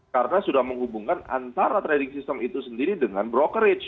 karena sudah menghubungkan antara trading system itu sendiri dengan brokerage